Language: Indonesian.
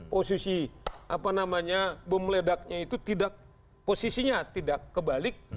posisi bom meledaknya itu tidak posisinya tidak kebalik